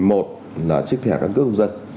một là chiếc thẻ cân cước công dân